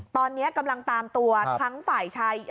ตอนนี้กำลังตามตัวทั้งฝ่ายชาย